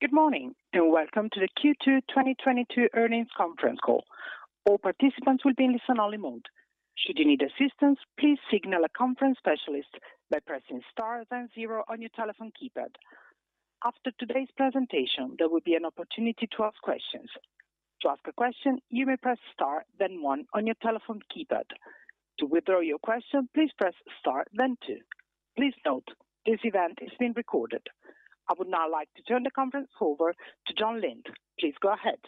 Good morning, and welcome to the Q2 2022 earnings conference call. All participants will be in listen-only mode. Should you need assistance, please signal a conference specialist by pressing star then zero on your telephone keypad. After today's presentation, there will be an opportunity to ask questions. To ask a question, you may press star then one on your telephone keypad. To withdraw your question, please press star then two. Please note, this event is being recorded. I would now like to turn the conference over to Jon Lind. Please go ahead.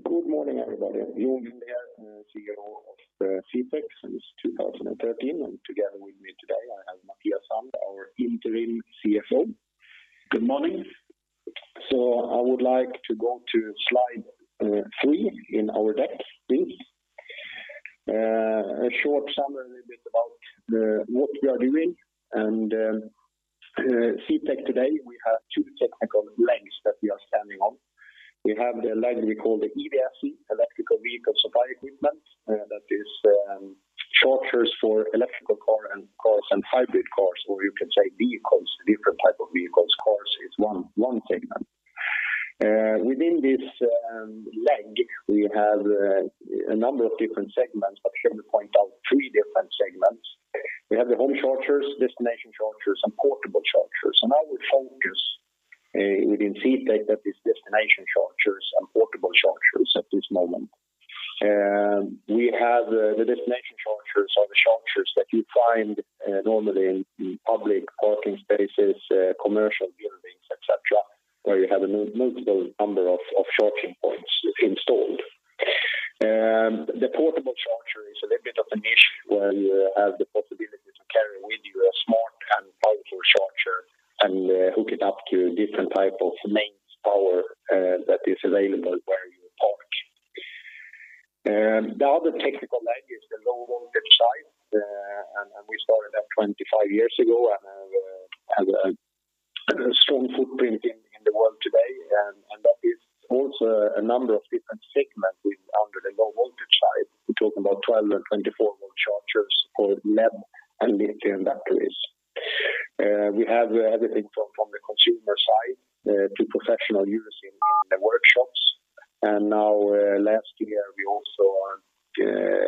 Good morning, everybody. Jon Lind here, CEO of CTEK since 2013, and together with me today, I have Mathias Sandh, our Interim CFO. Good morning. I would like to go to slide three in our deck, please. A short summary a bit about what we are doing and CTEK today, we have two technical legs that we are standing on. We have the leg we call the EVSE, Electric Vehicle Supply Equipment, that is, chargers for electric cars and hybrid cars, or you can say vehicles, different type of vehicles. Cars is one segment. Within this leg, we have a number of different segments, but let me point out three different segments. We have the home chargers, destination chargers, and portable chargers. I will focus within CTEK that is destination chargers and portable chargers at this moment. We have the destination chargers are the chargers that you find normally in public parking spaces, commercial buildings, et cetera, where you have a multiple number of charging points installed. The portable charger is a little bit of a niche where you have the possibility to carry with you a smart and powerful charger and hook it up to different type of mains power that is available where you park. The other technical leg is the low voltage side and we started that 25 years ago and have a strong footprint in the world today. That is also a number of different segments with under the low voltage side. We're talking about 12-volt and 24-volt chargers for lead and lithium batteries. We have everything from the consumer side to professional use in the workshops. Last year, we also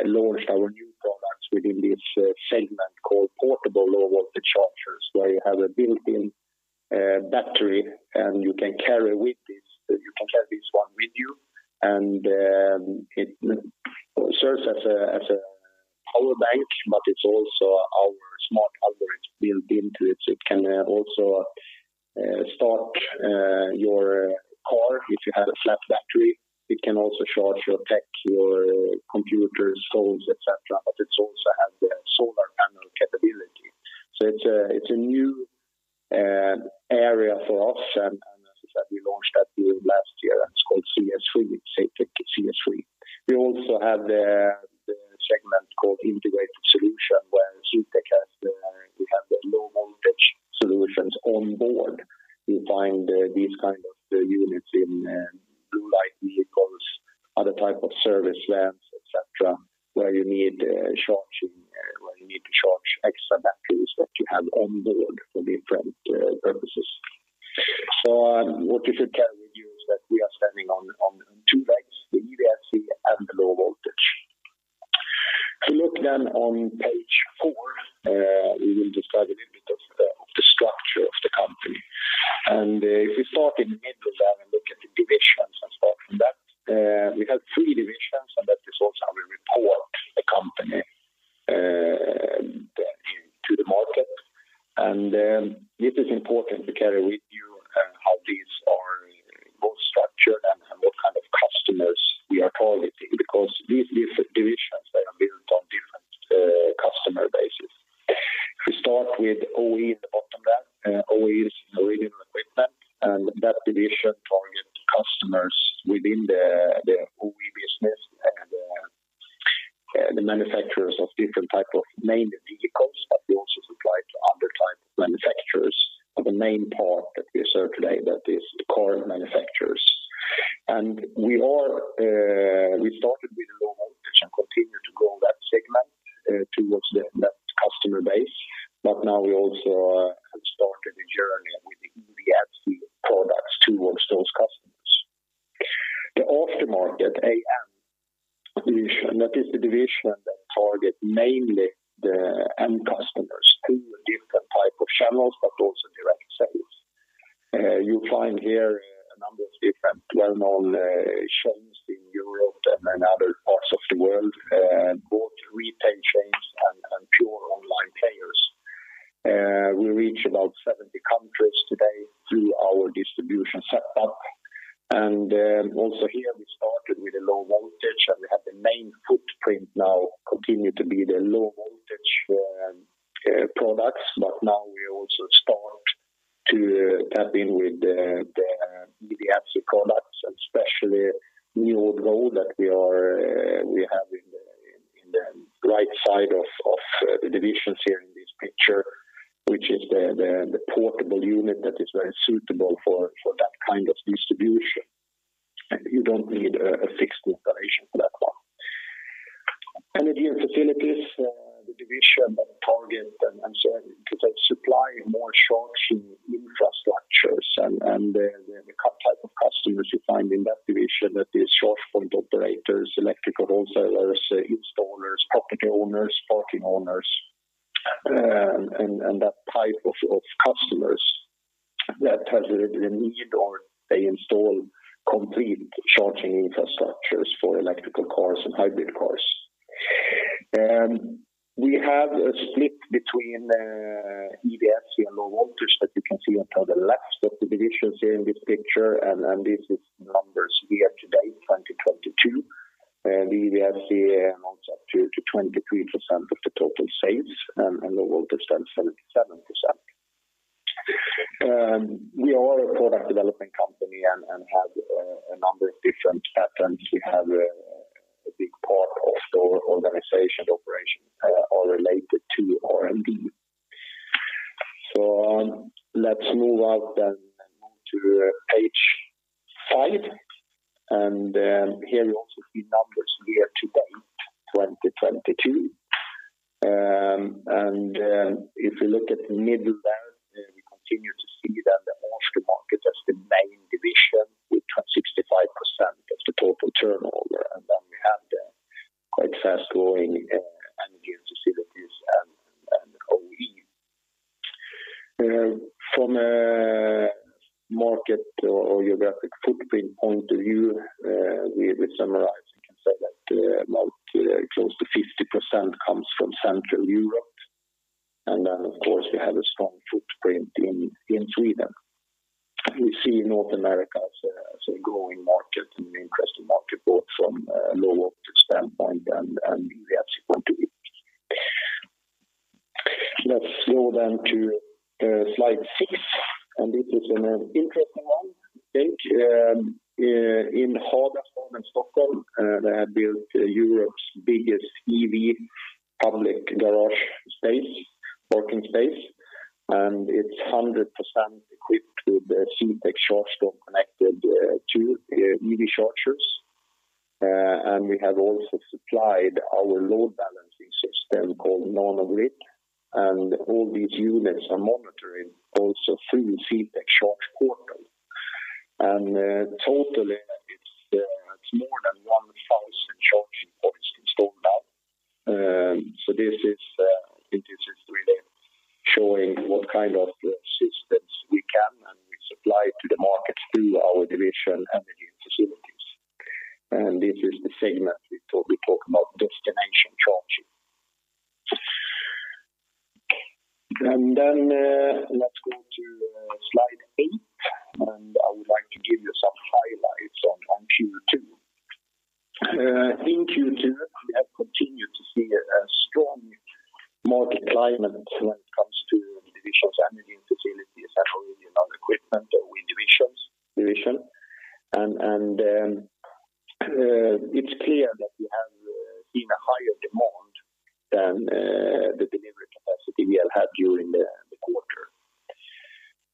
launched our new products within this segment called portable low voltage chargers, where you have a built-in battery. You can carry this one with you, and it serves as a power bank, but it's also our smart algorithm built into it. It can also start your car if you had a flat battery. It can also charge your tech, your computers, phones, et cetera, but it also has the solar panel capability. It's a new area for us, and as I said, we launched that during last year, and it's called CS FREE. It's CTEK CS FREE. We also have the segment called integrated solution, where CTEK has the low voltage solutions on board. You find these kind of units in blue light vehicles, other type of service vans, et cetera, where you need charging, where you need to charge extra batteries that you have on board for different purposes. What I can tell you is that we are standing on two legs, the EVSE and the low voltage. If you look on page four, we will describe a little bit of the structure of the company. If we start in the middle then and look at the divisions and start from that. We have three divisions, and that is also how we report the company into the market. It is important to carry with which is the portable unit that is very suitable for that kind of distribution. You don't need a fixed installation. Energy & Facilities, the division that targets and so because they supply more charging infrastructures and the type of customers you find in that division that is charge point operators, electrical wholesalers, installers, property owners, parking owners, and that type of customers that has a need or they install complete charging infrastructures for electric cars and hybrid cars. We have a split between EVSE and Low Voltage that you can see on the left of the divisions here in this picture, and this is numbers year to date 2022. The EVSE amounts up to 23% of the total sales, and Low Voltage stands 77%. We are a product development company and have a number of different patents. We have a big part of our organization operations are related to R&D. Let's move on then to page five. Here you also see numbers year to date, 2022. If you look at the middle there, we continue to see that the Aftermarket as the main division with 65% of the total turnover. We have the quite fast-growing Energy & Facilities and OE. From a market or geographic footprint point of view, we summarize. You can say that about close to 50% comes from Central Europe. Of course we have a strong footprint in Sweden. We see North America as a growing market and an interesting market both from a low voltage standpoint and EVSE point of view. Let's go then to slide six, and this is an interesting one I think. In Hagastaden in Stockholm, they have built Europe's biggest EV public garage space, working space, and it's 100% equipped with the CTEK Charge Cloud connected to EV chargers. We have also supplied our load balancing system called NANOGRID, and all these units are monitoring also through the CTEK Charge Portal. Totally it's more than 1,000 charging points installed now. This is, I think, really showing what kind of systems we can supply to the markets through our division Energy & Facilities. This is the segment we talk about destination charging. Let's go to slide eight, and I would like to give you some highlights on Q2. In Q2, we have continued to see a strong market climate when it comes to divisions Energy and Facilities and other equipment or divisions. It's clear that we have seen a higher demand than the delivery capacity we have had during the quarter.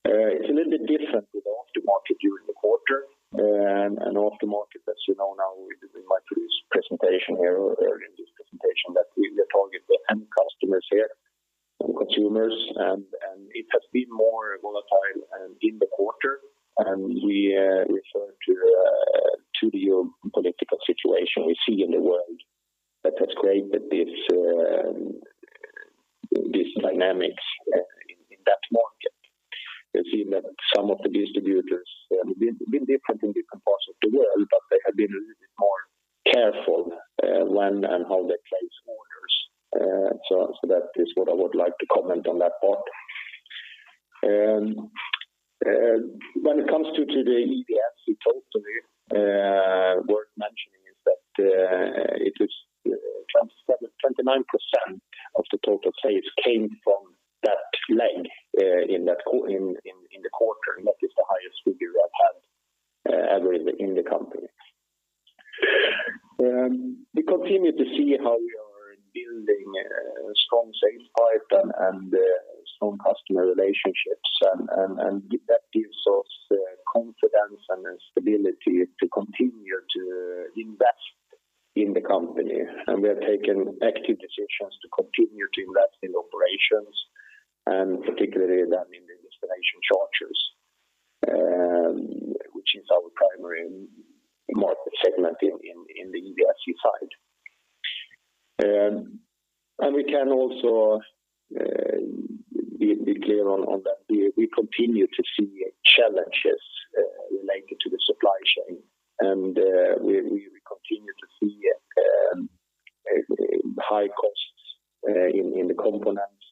It's a little bit different with Aftermarket during the quarter. Aftermarket, as you know now in my previous presentation here or earlier in this presentation, that we target the end customers here and consumers and it has been more volatile in the quarter. We refer to the geopolitical situation we see in the world that has created this dynamic in that market. We've seen that some of the distributors have been different in different parts of the world, but they have been a little bit more careful when and how they place orders. That is what I would like to comment on that part. When it comes to the EVSE totally, worth mentioning is that it is 29% of the total sales came from that leg in the quarter, and that is the highest figure I've had ever in the company. We continue to see how we are building a strong sales pipe and strong customer relationships and that gives us the confidence and stability to continue to invest in the company. We have taken active decisions to continue to invest in operations, particularly in the destination chargers, which is our primary market segment in the EVSE side. We can also be clear on that we continue to see challenges related to the supply chain. We continue to see high costs in the components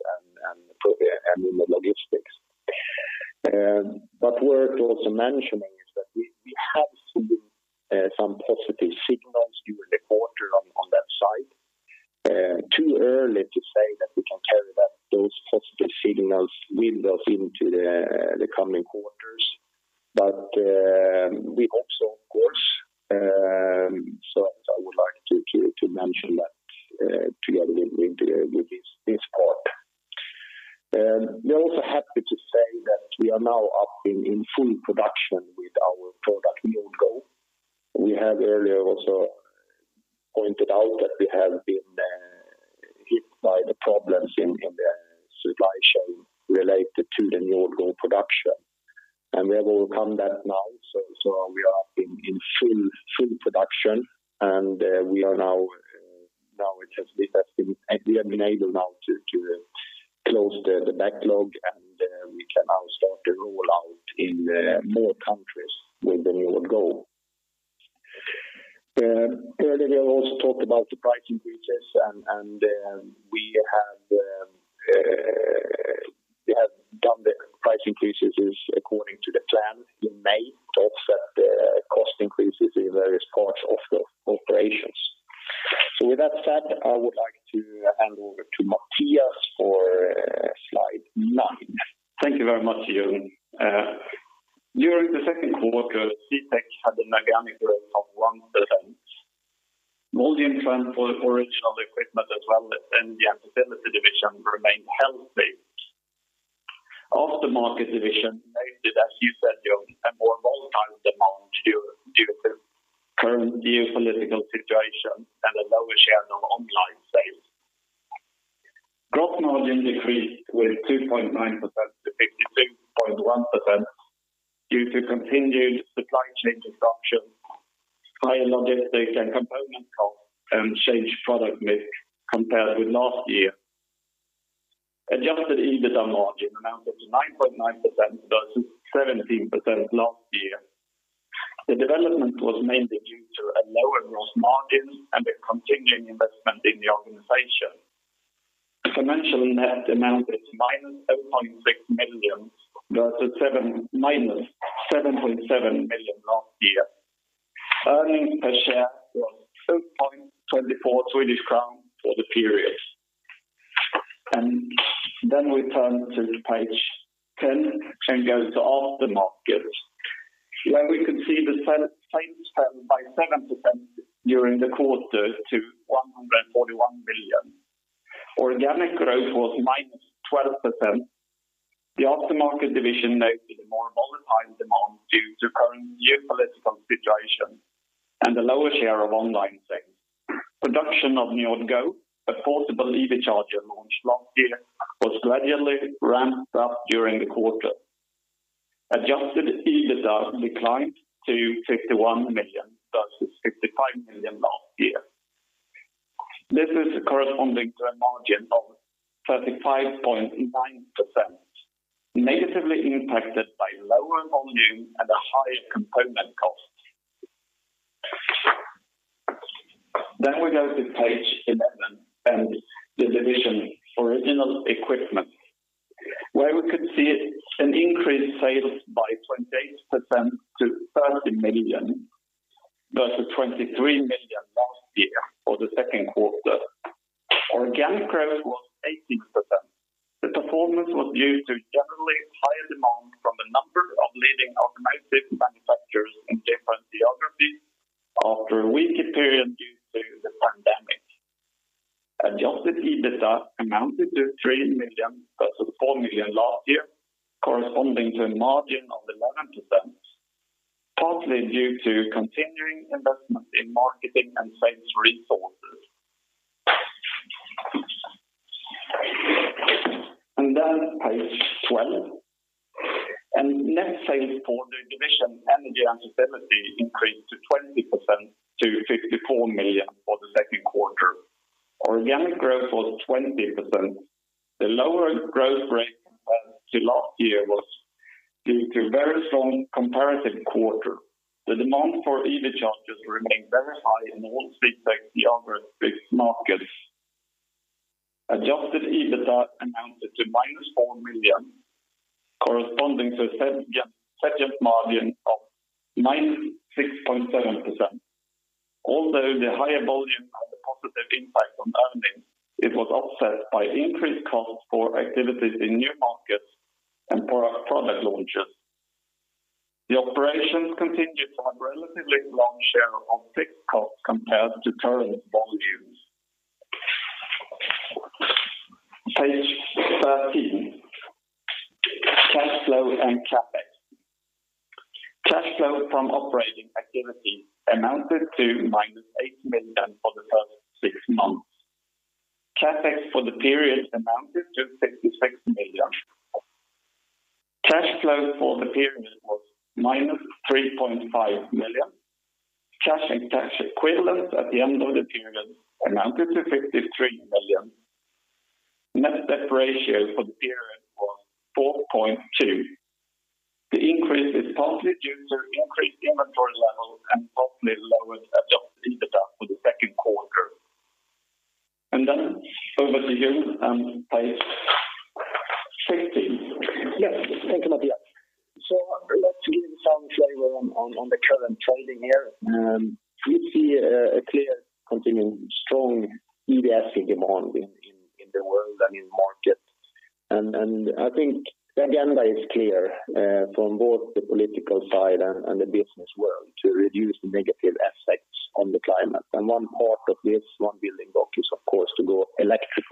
and in the logistics. Worth also mentioning is that we have seen some positive signals during the quarter on that side. Too early to say that we can carry those positive signals with us into the coming quarters. We hope so of course. I would like to mention that together with this part. We are also happy to say that we are now up in full production with our product NJORD GO. We have earlier also pointed out that we have been hit by the problems in the supply chain related to the NJORD GO production. We have overcome that now, so we are up in full production, and we have been able now to close the backlog, and we can now start to roll out in more countries with the NJORD GO. Earlier, we also talked about the price increases and we have done the price increases according to the plan in May to offset the cost increases in various parts of the operations. With that said, I would like to hand over to Mathias for slide nine. Thank you very much, Jon. During the second quarter, CTEK had an organic growth of 1%. Volume trend for original equipment as well as in the facilities division remained healthy. Aftermarket division noted, as you said, Jon, a more volatile demand due to current geopolitical situation and a lower share of online sales. Gross margin decreased with 2.9% to 52.1% due to continued supply chain disruption, higher logistics and component costs, and changed product mix compared with last year. Adjusted EBITDA margin amounted to 9.9% versus 17% last year. The development was mainly due to a lower gross margin and a continuing investment in the organization. Financial net amounted to -7.6 million versus -7.7 million last year. Earnings per share was 2.24 Swedish crown for the period. We turn to page ten and go to Aftermarket, where we could see the sales fell by 7% during the quarter to 141 million. Organic growth was -12%. The Aftermarket division noted a more volatile demand due to current geopolitical situation and a lower share of online sales. Production of NJORD GO, a portable EV charger launched last year, was gradually ramped up during the quarter. Adjusted EBITDA declined to 51 million versus 65 million last year. This is corresponding to a margin of 35.9%, negatively impacted by lower volume and a higher component cost. We go to page eleven and the Original Equipment division, where we could see an increased sales by 28% to 30 million versus 23 million last year for the second quarter. Organic growth was 18%. The performance was due to generally higher demand from a number of leading automotive manufacturers in different geographies after a weaker period due to the pandemic. Adjusted EBITDA amounted to 3 million versus 4 million last year, corresponding to a margin of 11%, partly due to continuing investment in marketing and sales resources. Net sales for the Energy & Facilities division increased 20% to 54 million for the second quarter. Organic growth was 20%. The lower growth rate compared to last year was due to very strong comparative quarter. The demand for EV chargers remained very high in all CTEK's geographic markets. Adjusted EBITDA amounted to -4 million, corresponding to a margin of -6.7%. Although the higher volume had a positive impact on earnings, it was offset by increased costs for activities in new markets and for our product launches. The operations continued to have relatively low share of fixed costs compared to current volumes. Page 13, cash flow and CapEx. Cash flow from operating activity amounted to -8 million for the first six months. CapEx for the period amounted to 66 million. Cash flow for the period was -3.5 million. Cash and cash equivalents at the end of the period amounted to 53 million. Net debt ratio for the period was 4.2. The increase is partly due to increased inventory levels and partly lower adjusted EBITDA for the second quarter. Over to you on page 15. Yes. Thank you, Mathias. Let's give some flavor on the current trading here. We see a clear continuing strong EVSE demand in the world and in market. I think the agenda is clear from both the political side and the business world to reduce the negative effects on the climate. One part of this one building block is, of course, to go electric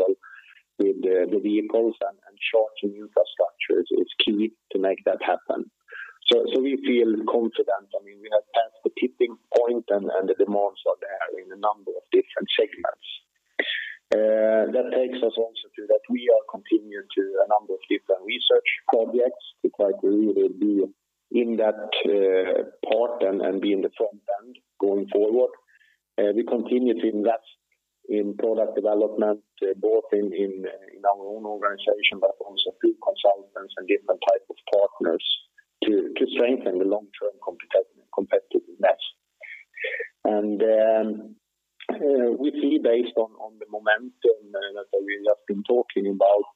with the vehicles and charging infrastructure is key to make that happen. We feel confident. I mean, we have passed the tipping point and the demands are there in a number of different segments. That takes us also to that we are continuing to a number of different research projects because we will be in that part and be in the forefront going forward. We continue to invest in product development, both in our own organization, but also through consultants and different type of partners to strengthen the long-term competitiveness. We see based on the momentum that we have been talking about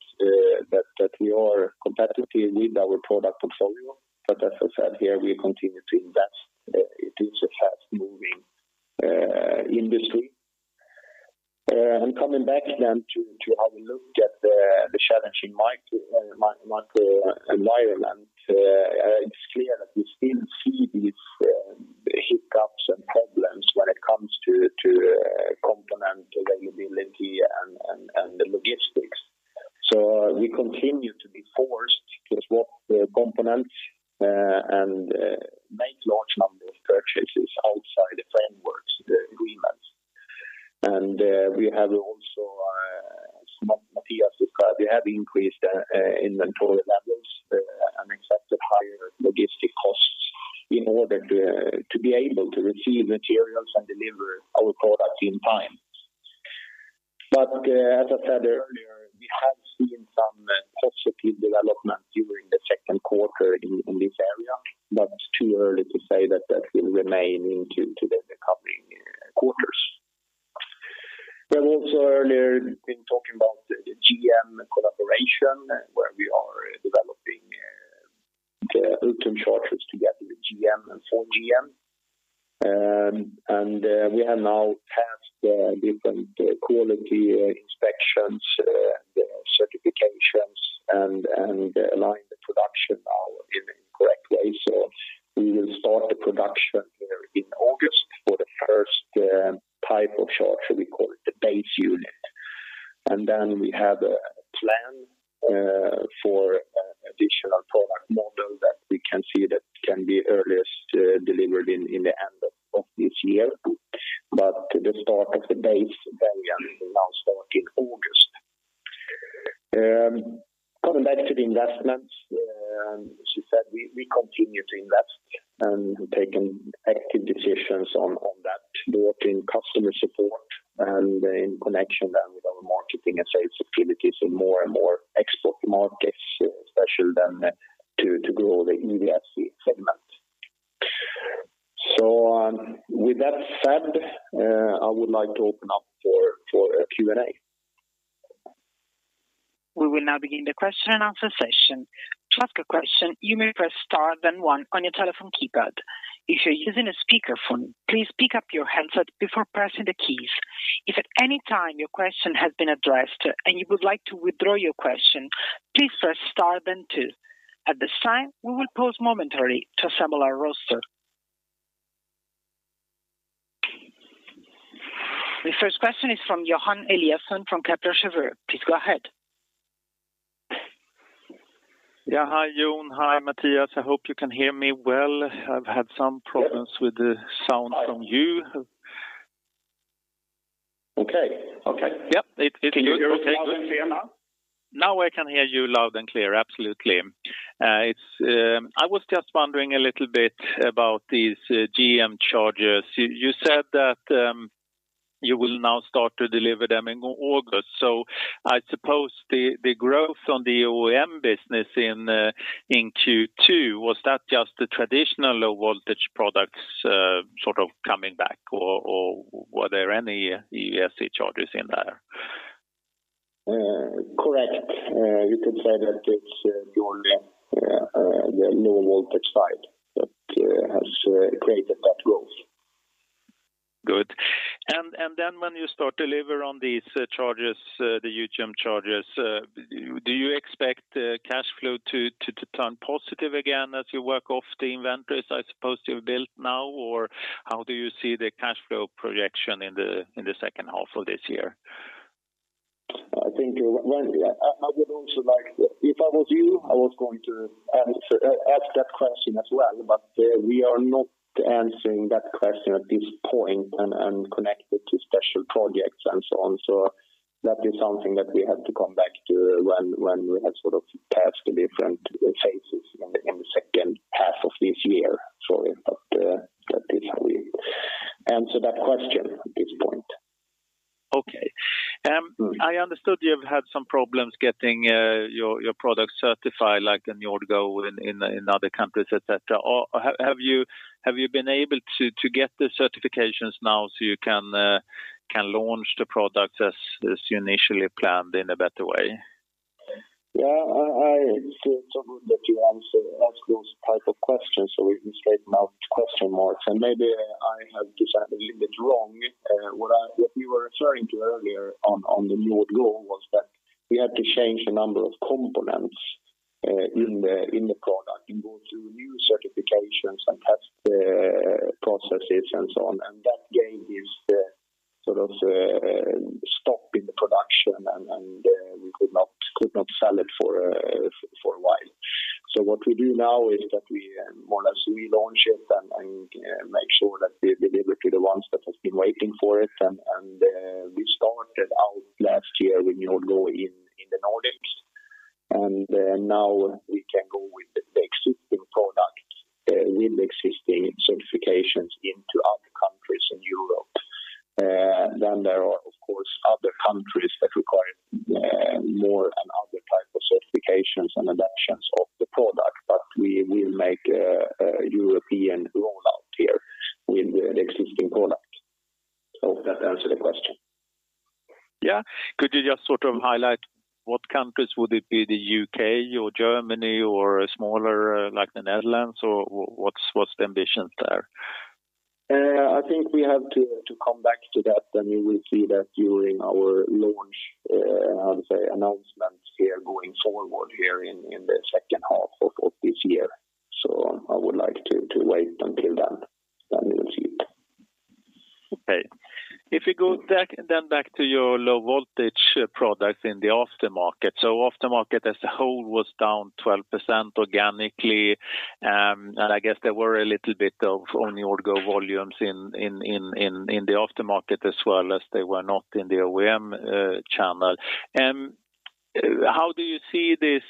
that we are competitive with our product portfolio. As I said here, we continue to invest. It is a fast-moving industry. Coming back then to how we look at the challenging macro environment, it's clear that we still see these hiccups and problems when it comes to component availability and the logistics. We continue to be forced to swap the components and make large number of purchases outside the frameworks, the agreements. We have also, as Mathias described, we have increased inventory levels and accepted higher logistics costs in order to be able to receive materials and deliver our products in time. As I said earlier, we have seen some positive development during the second quarter in this area, but it's too early to say that it will remain into the coming quarters. We've also earlier been talking about the GM collaboration where we are developing the Ultium chargers together with GM and for GM. We have now passed the different quality inspections and certifications and aligned the production now in the correct way. We will start the production there in August for the first type of charger, we call it the base unit. We have a plan for an additional product model that can be earliest delivered in the end of this year. The start of the base variant will now start in August. Coming back to the investments, as you said, we continue to invest and taken active decisions on that, both in customer support and in connection with our marketing and sales activities in more and more export markets, especially to grow the EVSE segment. With that said, I would like to open up for a Q&A. We will now begin the question and answer session. To ask a question, you may press star then one on your telephone keypad. If you're using a speakerphone, please pick up your handset before pressing the keys. If at any time your question has been addressed and you would like to withdraw your question, please press star then two. At this time, we will pause momentarily to assemble our roster. The first question is from Johan Eliason from Kepler Cheuvreux. Please go ahead. Yeah. Hi, Jon. Hi, Mathias. I hope you can hear me well. I've had some problems with the sound from you. Okay. Okay. Yep. It's good. Okay, good. Can you hear us loud and clear now? Now I can hear you loud and clear. Absolutely. I was just wondering a little bit about these GM chargers. You said that you will now start to deliver them in August. I suppose the growth on the OEM business in Q2, was that just the traditional low voltage products, sort of coming back or were there any EVSE chargers in there? Correct. You could say that it's the low voltage side that has created that growth. Good. Then when you start deliver on these chargers, the Ultium chargers, do you expect cash flow to turn positive again as you work off the inventories I suppose you've built now? Or how do you see the cash flow projection in the second half of this year? If I was you, I was going to ask that question as well, but we are not answering that question at this point and connected to special projects and so on. That is something that we have to come back to when we have sort of passed the different phases in the second half of this year. Sorry, but that is how we answer that question at this point. Okay. I understood you've had some problems getting your product certified, like the NJORD GO in other countries, etc. Have you been able to get the certifications now so you can launch the product as you initially planned in a better way? Yeah. I see it's so good that you answer, ask those type of questions so we can straighten out question marks. Maybe I have described a little bit wrong. What you were referring to earlier on the NJORD GO was that we had to change a number of components in the product. You go through new certifications and test the processes and so on. That gave this sort of other type of certifications and adaptations of the product. We will make a European rollout here with the existing product. I hope that answered the question. Yeah. Could you just sort of highlight what countries would it be? The U.K. or Germany or smaller like the Netherlands? Or what's the ambitions there? I think we have to come back to that, and you will see that during our launch, announcements here going forward here in the second half of this year. I would like to wait until then. You'll see it. Okay. If you go back to your low voltage products in the aftermarket. Aftermarket as a whole was down 12% organically. And I guess there were a little bit on the order volumes in the aftermarket as well as they were not in the OEM channel. How do you see this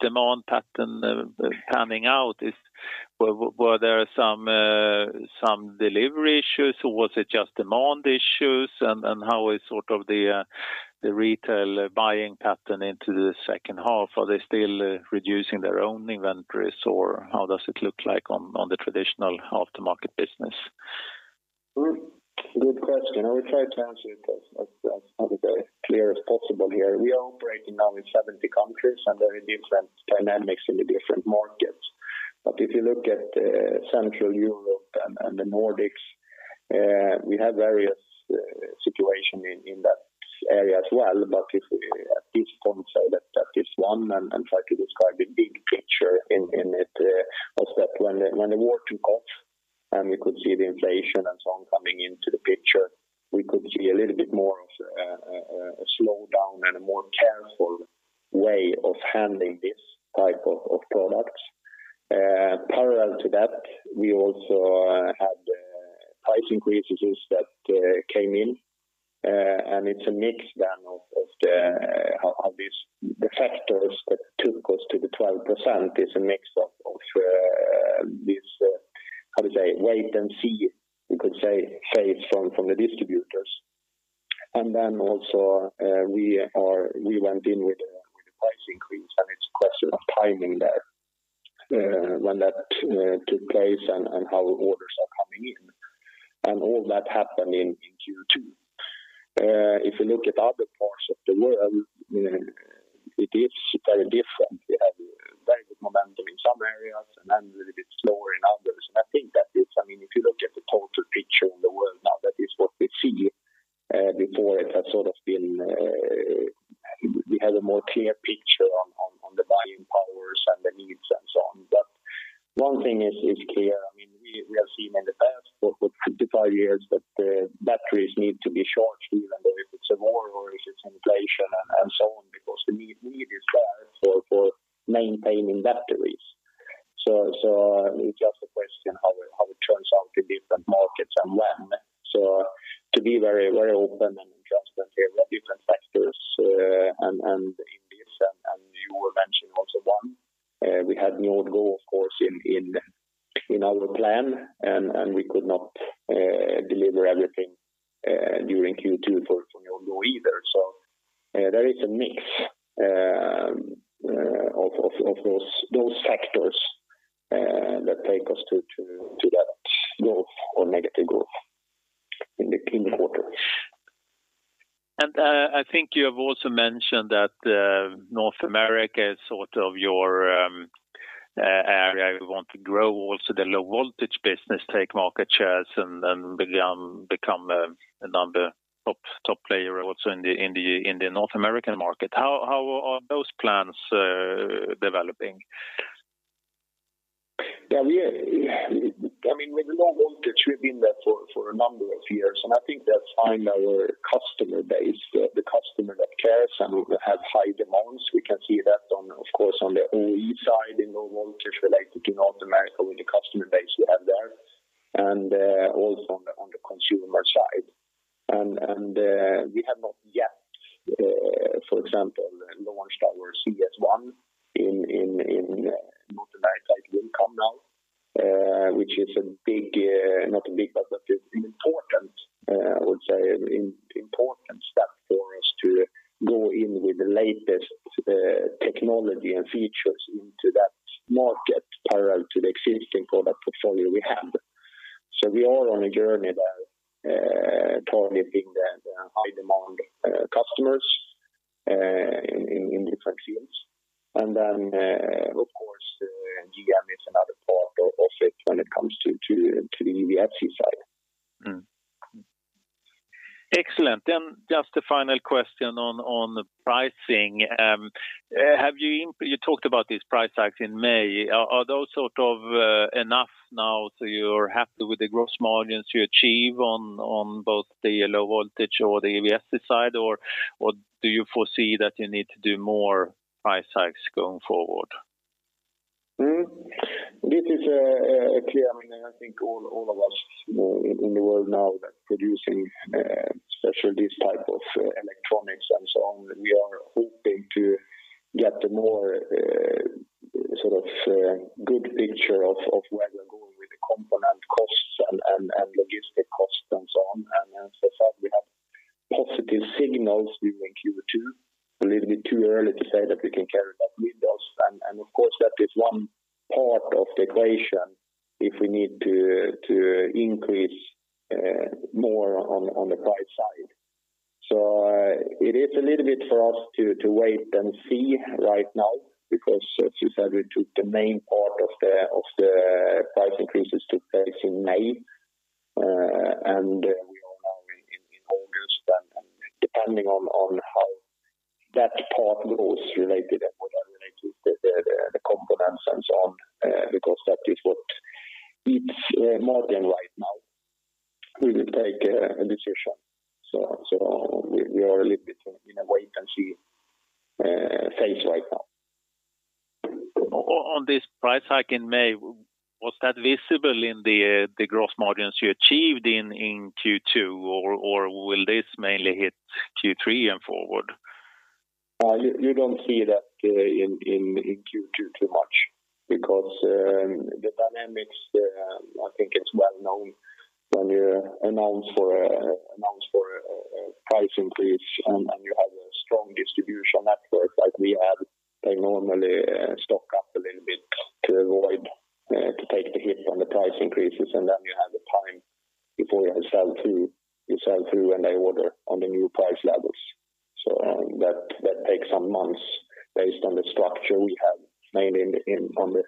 demand pattern panning out? Were there some delivery issues, or was it just demand issues? And how is sort of the retail buying pattern into the second half? Are they still reducing their own inventories, or how does it look like on the traditional aftermarket business? Good question. I will try to answer it as clear as possible here. We are operating now in 70 countries, and there are different dynamics in the different markets. If you look at Central Europe and the Nordics, we have various situation in that area as well. If we at this point say that is one, and try to describe the big picture in it, was that when the war took off and we could see the inflation and so on coming into the picture, we could see a little bit more of a slowdown and a more careful way of handling this type of products. Parallel to that, we also had price increases that came in. It's a mix then of these factors that took us to the 12% is a mix of this how to say, wait and see, we could say, phase from the distributors. Then also, we went in with a price increase, and it's a question of timing there, when that took place and how orders are coming in. All that happened in Q2. If you look at other parts of the world, it is very different. We have very good momentum in some areas and then a little bit slower in others. I think that is. I mean, if you look at the total picture in the world now, that is what we see. Before it had sort of been, we had a more clear picture on the buying powers and the needs and so on. One thing is clear, I mean, we have seen in the past for 55 years that batteries need to be charged even though if it's a war or if it's inflation and so on, because the need is there for maintaining batteries. It's just a question how it turns out in different markets and when. To be very open and transparent here, there are different factors, and in this, and you were mentioning also one. We had NJORD GO of course in our plan and we could not deliver everything during Q2 for NJORD GO either. There is a mix of those factors that take us to that growth or negative growth in the quarter. I think you have also mentioned that North America is sort of your area you want to grow also the low voltage business, take market shares, and then become another top player also in the North American market. How are those plans developing? I mean, with low voltage, we've been there for a number of years, and I think that's fine. Our customer base, the customer that cares and have high demands, we can see that on, of course, on the OE side in low voltage related to North America with the customer base we have there, and also on the consumer side. We have not yet, for example, launched our CS1 in North America. It will come now, which is a big, not a big, but it's important, I would say important step for us to go in with the latest technology and features into that market parallel to the existing product portfolio we have. We are on a journey there, targeting the high demand customers in different fields. When it comes to the EVSE side. Mm-hmm. Excellent. Just a final question on the pricing. Have you talked about these price hikes in May. Are those sort of enough now, so you're happy with the gross margins you achieve on both the low voltage or the EVSE side? Or do you foresee that you need to do more price hikes going forward? This is clear. I mean, I think all of us in the world now that producing especially this type of electronics and so on, we are hoping to get a more sort of good picture of where we're going with the component costs and logistic costs and so on. As I said, we have positive signals during Q2. A little bit too early to say that we can carry that with us. Of course, that is one part of the equation if we need to increase more on the price side. It is a little bit for us to wait and see right now because as you said, we took the main part of the price increases took place in May. We are now in August. Depending on how that part goes related and what are related the components and so on, because that is what it's more than right now, we will take a decision. We are a little bit in a wait-and-see phase right now. On this price hike in May, was that visible in the gross margins you achieved in Q2 or will this mainly hit Q3 and forward? You don't see that in Q2 too much because the dynamics, I think it's well known when you announce a price increase and you have a strong distribution network like we have. They normally stock up a little bit to avoid to take the hit on the price increases, and then you have the time before you have sell through and they order on the new price levels. That takes some months based on the structure we have mainly in on the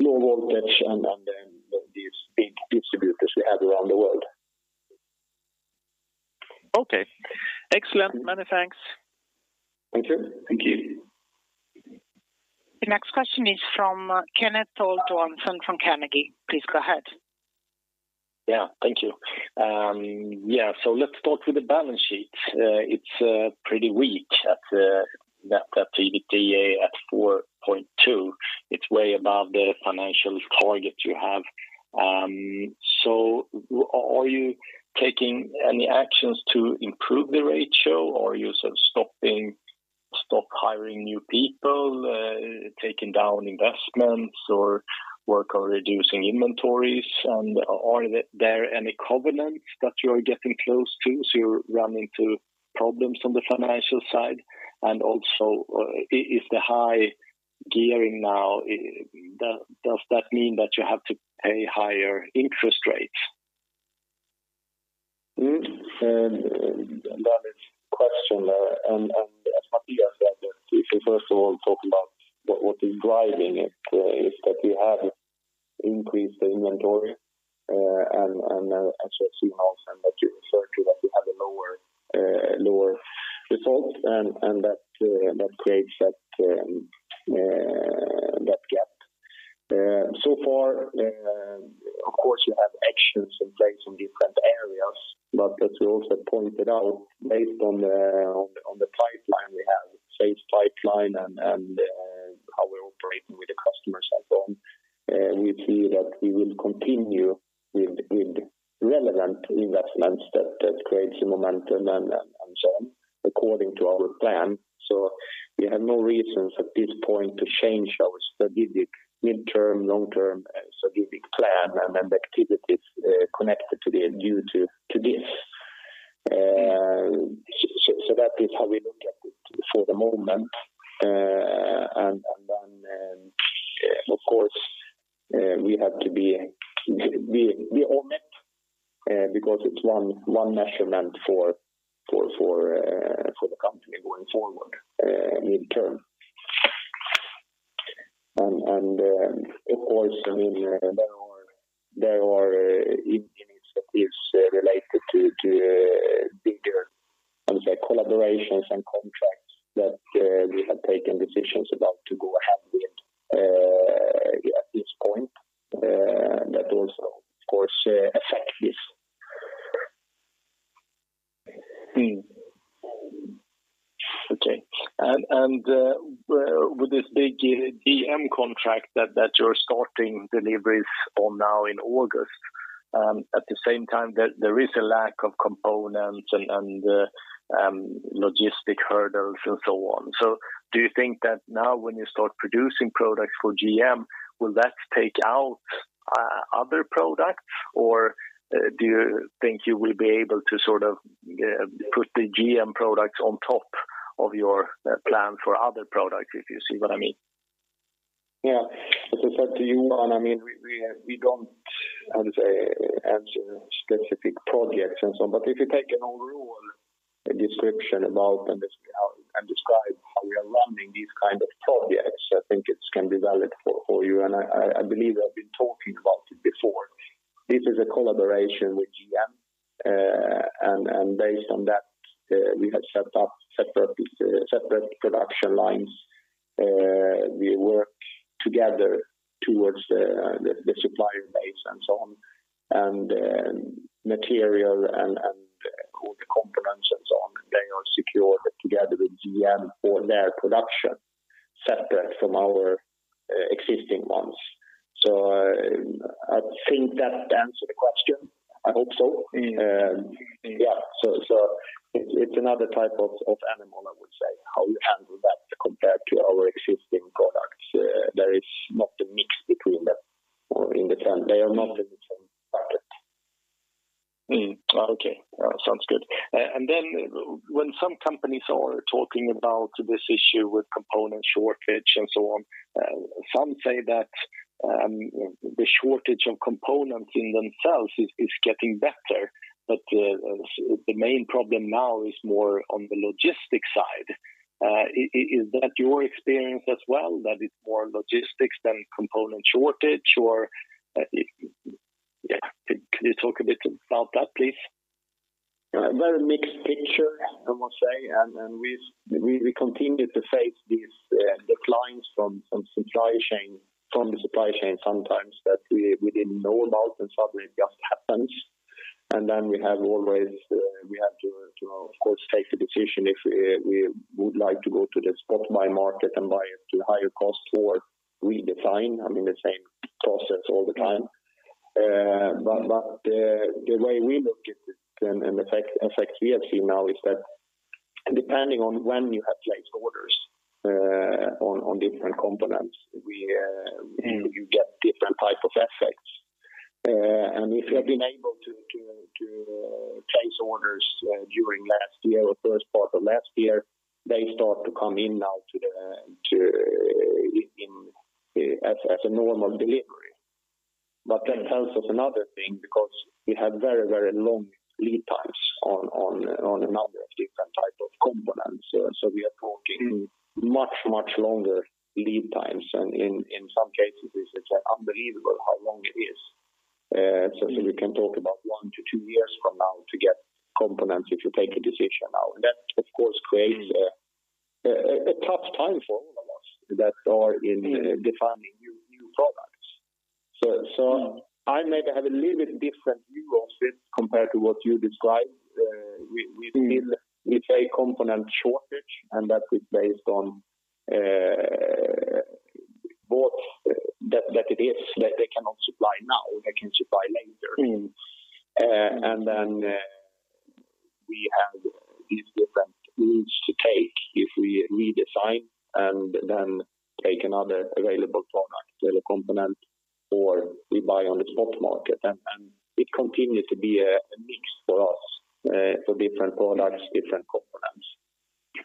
low voltage and on these big distributors we have around the world. Okay. Excellent. Many thanks. Thank you. Thank you. The next question is from Kenneth Toll Johansson from Carnegie. Please go ahead. Yeah, thank you. Yeah. Let's start with the balance sheet. It's pretty weak at that EBITDA at 4.2. It's way above the financial target you have. Are you taking any actions to improve the ratio? Are you sort of stop hiring new people, cutting down investments or working on reducing inventories? Are there any covenants that you are getting close to, so you're running into problems on the financial side? Also, is the high gearing now, does that mean that you have to pay higher interest rates? That is a question, and as Mathias said that if you first of all talk about what is driving it, is that we have increased the inventory, and as you have seen also and that you refer to that we have a lower result and that creates that gap. So far, of course you have actions in place in different areas, but as we also pointed out based on the pipeline we have, sales pipeline and how we're operating with the customers and so on, we see that we will continue with relevant investments that creates the momentum and so on according to our plan. We have no reasons at this point to change our strategic midterm, long-term strategic plan and then the activities connected due to this. That is how we look at it for the moment. Of course, we have to be on it because it's one measurement for the company going forward midterm. Of course, I mean, there are initiatives related to bigger, how to say, collaborations and contracts that we have taken decisions about to go ahead with at this point that also of course affect this. Okay. With this big GM contract that you're starting deliveries on now in August, at the same time there is a lack of components and logistic hurdles and so on. Do you think that now when you start producing products for GM, will that take out other products? Or do you think you will be able to sort of put the GM products on top of your plan for other products, if you see what I mean? Yeah. As I said to you, and I mean, we don't how to say have specific projects and so on. If you take an overall description about and describe how we are running these kind of projects. I think it can be valid for you, and I believe I've been talking about it before. This is a collaboration with GM, and based on that, we have set up separate production lines. We work together towards the supplier base and so on, and material and all the components and so on, they are secured together with GM for their production separate from our existing ones. I think that answered the question. I hope so. Mm-hmm. Yeah. It's another type of animal, I would say, how we handle that compared to our existing products. There is not a mix between them or in the term. They are not in the same bracket. Okay. Sounds good. When some companies are talking about this issue with component shortage and so on, some say that the shortage of components in themselves is getting better. The main problem now is more on the logistics side. Is that your experience as well, that it's more logistics than component shortage? Can you talk a bit about that, please? A very mixed picture, I must say. We continue to face these declines from the supply chain sometimes that we didn't know about and suddenly it just happens. We have to, of course, take the decision if we would like to go to the spot buy market and buy it at higher cost or redesign. I mean, the same process all the time. Mm-hmm. The way we look at it and effects we have seen now is that depending on when you have placed orders on different components, we Mm-hmm. You get different type of effects. If you have been able to place orders during last year or first part of last year, they start to come in now as a normal delivery. That tells us another thing, because we have very long lead times on a number of different type of components. We are talking. Mm-hmm. Much, much longer lead times. In some cases, it's unbelievable how long it is. Mm-hmm. We can talk about 1-2 years from now to get components if you take a decision now. That of course creates a tough time for all of us that are in defining new products. I maybe have a little bit different view of this compared to what you described. We feel it's a component shortage, and that is based on both that they cannot supply now, they can supply later. Mm-hmm. We have these different routes to take if we redesign and then take another available product, available component, or we buy on the spot market. It continues to be a mix for us for different products, different components.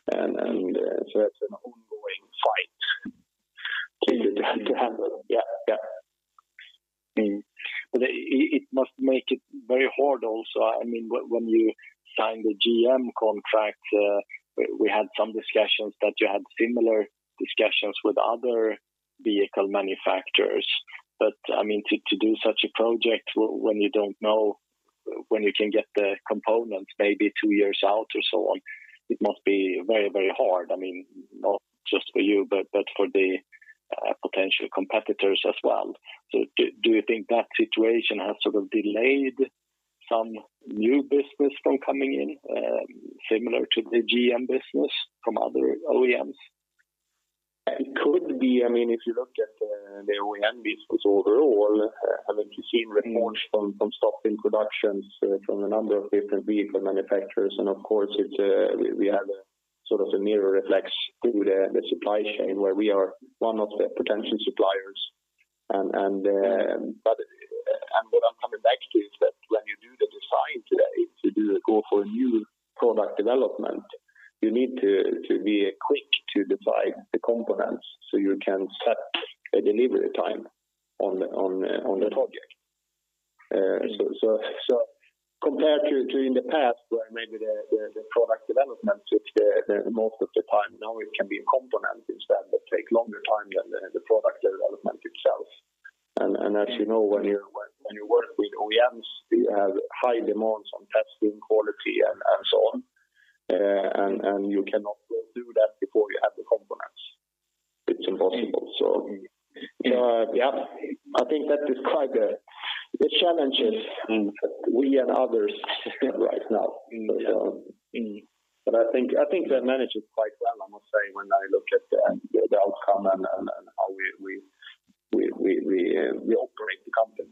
That's an ongoing fight to handle. It must make it very hard also. I mean, when you signed the GM contract, we had some discussions that you had similar discussions with other vehicle manufacturers. I mean, to do such a project when you don't know when you can get the components maybe two years out or so on, it must be very hard. I mean, not just for you, but for the potential competitors as well. Do you think that situation has sort of delayed some new business from coming in, similar to the GM business from other OEMs? It could be. I mean, if you look at the OEM business overall, I mean, you've seen reports from stopping productions from a number of different vehicle manufacturers. Of course, we have a sort of a mirror reflex through the supply chain where we are one of the potential suppliers. What I'm coming back to is that when you do the design today to do the call for a new product development, you need to be quick to decide the components so you can set a delivery time on the project. Compared to in the past where maybe the product development is the most of the time, now it can be a component instead that take longer time than the product development itself. As you know, when you work with OEMs, they have high demands on testing quality and so on. You cannot do that before you have the components. It's impossible. I think that described the challenges. Mm. We and others have right now. Mm. But, um- Mm. I think they manage it quite well, I must say, when I look at the outcome and how we operate the company.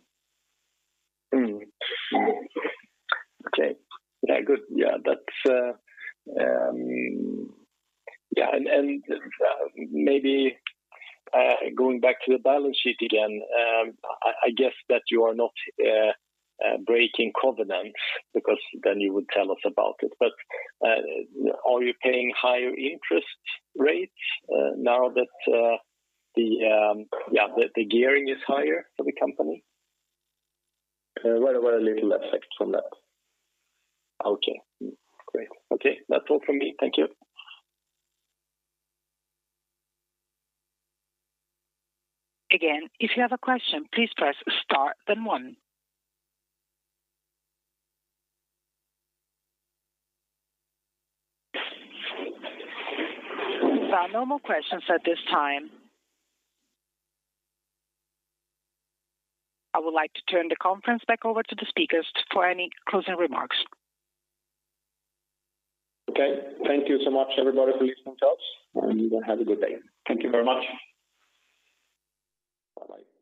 Maybe going back to the balance sheet again, I guess that you are not breaking covenants because then you would tell us about it. Are you paying higher interest rates now that the gearing is higher for the company? Well, a little effect from that. Okay. Great. Okay, that's all from me. Thank you. Again, if you have a question, please press star then one. There are no more questions at this time. I would like to turn the conference back over to the speakers for any closing remarks. Okay. Thank you so much, everybody, for listening to us, and have a good day. Thank you very much. Bye-bye.